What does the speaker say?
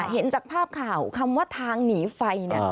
เห็นจากภาพข่าวคำว่าทางหนีไฟ